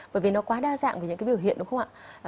bởi vì nó quá đa dạng với những biểu hiện đúng không ạ